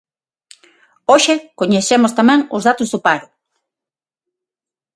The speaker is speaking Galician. Hoxe coñecemos tamén os datos do paro.